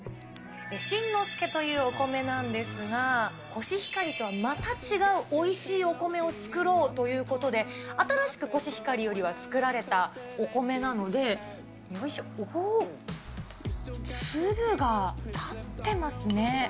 新之助というお米なんですが、コシヒカリとまた違うおいしいお米を作ろうということで、新しくコシヒカリよりは作られたお米なので、よいしょ、おー、粒が立ってますね。